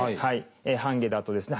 「半夏」だとですね